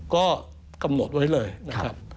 ก็กำหนดไว้เลยนะครับ